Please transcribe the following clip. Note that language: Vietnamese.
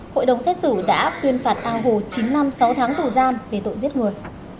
hội đồng xét xử đã tuyên phạt a hồ chín năm sáu tháng tù gian về tội giết người